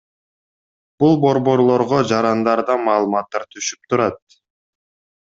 Бул борборлорго жарандардан маалыматтар түшүп турат.